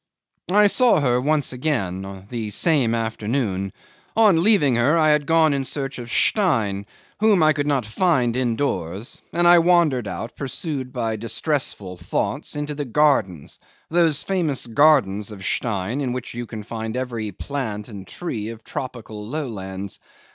'I saw her once again, the same afternoon. On leaving her I had gone in search of Stein, whom I could not find indoors; and I wandered out, pursued by distressful thoughts, into the gardens, those famous gardens of Stein, in which you can find every plant and tree of tropical lowlands.